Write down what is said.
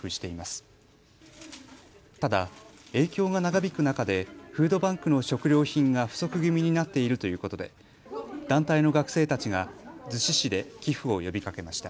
ただ、影響が長引く中でフードバンクの食料品が不足気味になっているということで団体の学生たちが逗子市で寄付を呼びかけました。